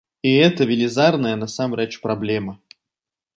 І гэта велізарная, насамрэч, праблема.